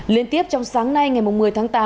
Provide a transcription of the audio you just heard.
liên tiếp trong sáng nay ngày một mươi tháng tám